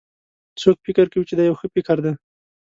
څوک فکر کوي چې دا یو ښه فکر ده